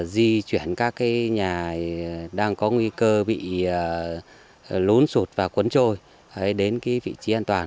di chuyển các nhà đang có nguy cơ bị lún sụt và cuốn trôi đến vị trí an toàn